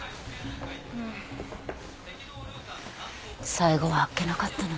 最期はあっけなかったな。